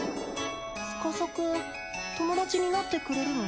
つかさくん友達になってくれるの？